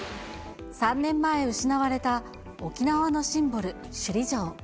３年前失われた沖縄のシンボル、首里城。